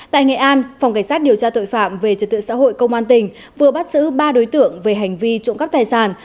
tại nghệ an phòng cảnh sát điều tra tội phạm về trật tự xã hội công an tỉnh vừa bắt giữ ba đối tượng về hành vi trộm cắp tài sản